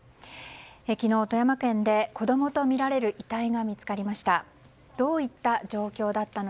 昨日、富山県で子供とみられる遺体が見つかりました。